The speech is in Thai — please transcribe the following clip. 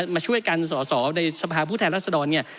มาช่วยกันสอสอในสภาพผู้แทนรัศดรเนี่ย